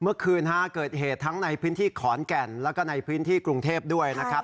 เมื่อคืนเกิดเหตุทั้งในพื้นที่ขอนแก่นแล้วก็ในพื้นที่กรุงเทพด้วยนะครับ